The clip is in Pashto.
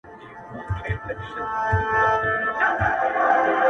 د ژوند دوهم جنم دې حد ته رسولی يمه؛